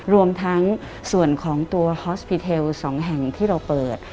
รวมทั้งส่วนของตัวฮอสปีเทล๒แห่งที่เราเปิด